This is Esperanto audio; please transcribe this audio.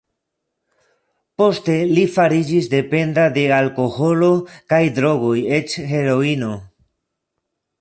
Poste li fariĝis dependa de alkoholo kaj drogoj, eĉ heroino.